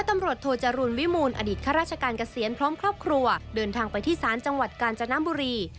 ในโรงทรัพย์โทรจรูนวิมูลอดิตข้าราชการเกษียณพร้อมครอบครัวเดินทางไปที่ศ้านจังหวัดนชะน้ำบุรี